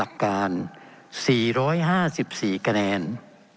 เป็นของสมาชิกสภาพภูมิแทนรัฐรนดร